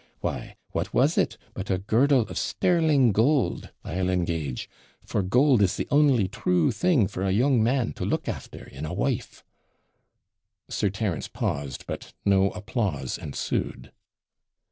Why, what was it, but a girdle of sterling gold, I'll engage? for gold is the only true thing for a young man to look after in a wife.' Sir Terence paused, but no applause ensued.